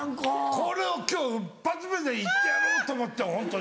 これを今日一発目で言ってやろうと思ってホントに。